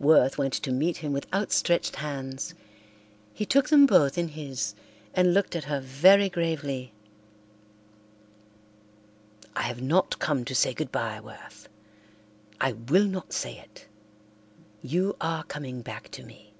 Worth went to meet him with outstretched hands. He took them both in his and looked at her very gravely. "I have not come to say goodbye, Worth. I will not say it. You are coming back to me."